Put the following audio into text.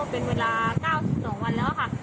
เป็นเวลา๙๒วันแล้วค่ะ